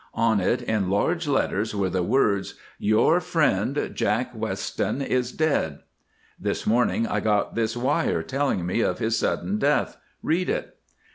On it in large letters were the words—Your friend, Jack Weston, is dead. This morning I got this wire telling me of his sudden death. Read it."